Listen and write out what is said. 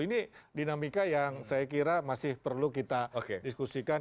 ini dinamika yang saya kira masih perlu kita diskusikan